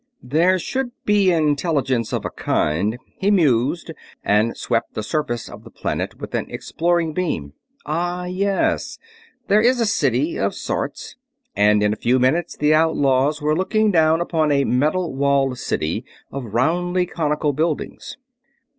"There should be intelligence, of a kind," he mused, and swept the surface of the planet with an exploring beam. "Ah, yes, there is a city, of sorts," and in a few minutes the outlaws were looking down upon a metal walled city of roundly conical buildings.